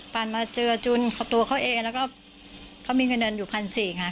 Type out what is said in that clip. ๗ปันมาเจอจนตัวเขาเองแล้วก็เขามีเงินเงินอยู่พันสี่ค่ะ